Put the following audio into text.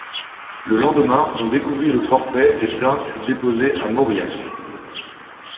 Le lendemain on découvrit le forfait et plainte fut déposée à Mauriac.